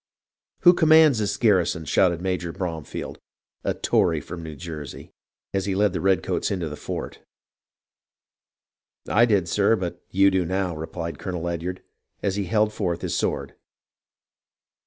"Who commands this garrison. '" shouted Major Brom field (a Tory from New Jersey), as he led the redcoats into the fort. " I did, sir, but you do now," replied Colonel Ledyard, as he held forth his sword.